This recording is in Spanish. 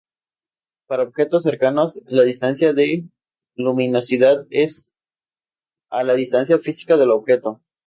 Para objetos cercanos, la distancia de luminosidad es a la distancia física del objeto.